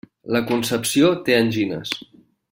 La Concepció té angines.